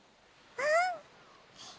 うん。